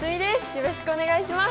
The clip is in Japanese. よろしくお願いします。